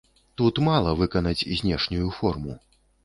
Тут мала выканаць знешнюю форму.